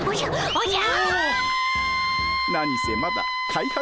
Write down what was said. おじゃ。